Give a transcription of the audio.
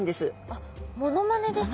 あっモノマネですか？